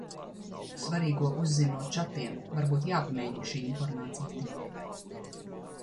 Svarīgo uzzin no čatiem. Varbūt jāpamēģina šī informācijas diēta.